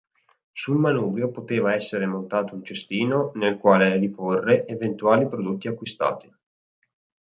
Sul manubrio poteva essere montato un cestino nel quale riporre eventuali prodotti acquistati.